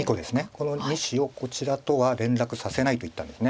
この２子をこちらとは連絡させないといったんです。